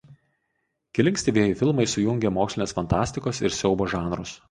Keli ankstyvieji filmai sujungė mokslinės fantastikos ir siaubo žanrus.